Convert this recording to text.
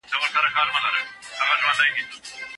دی په تمه دی چې بل موټر به راشي.